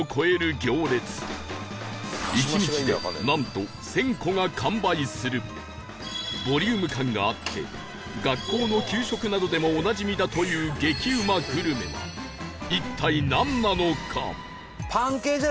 １日でなんと１０００個が完売するボリューム感があって学校の給食などでもおなじみだという激うまグルメは一体なんなのか？